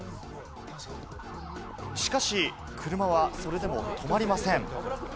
しかし、車はそれでも止まりません。